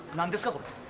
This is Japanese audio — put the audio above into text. これ。